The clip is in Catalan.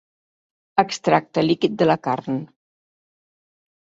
Extracte líquid de la carn.